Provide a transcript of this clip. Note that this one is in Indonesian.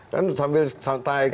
kan sambil santai